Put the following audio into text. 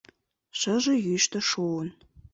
Шыже йӱштӧ шуын.